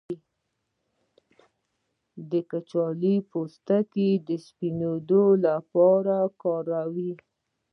د کچالو پوستکی د سپینیدو لپاره وکاروئ